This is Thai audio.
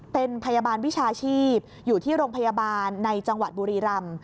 เป็นพยาบาลวิชาชีพอยู่ที่โรงพยาบาลในจังหวัดบุรีรำ